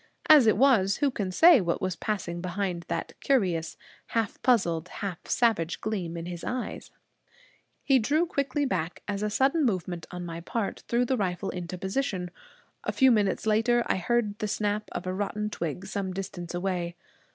As it was, who can say what was passing behind that curious, half puzzled, half savage gleam in his eyes? He drew quickly back as a sudden movement on my part threw the rifle into position. A few minutes later I heard the snap of a rotten twig some distance away.